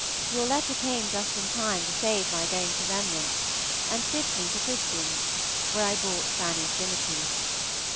Your letter came just in time to save my going to Remnant's, and fit me for Christian's, where I bought Fanny's dimity.